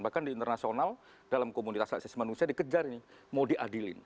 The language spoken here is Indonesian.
bahkan di internasional dalam komunitas asis manusia dikejar ini mau diadilin